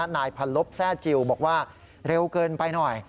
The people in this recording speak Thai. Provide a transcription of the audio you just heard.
นายพันลบแซ่จิลบอกว่าเร็วเกินไปหน่อย